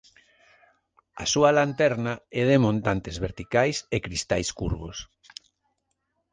A súa lanterna é de montantes verticais e cristais curvos.